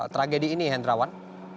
tragedi ini hendrawan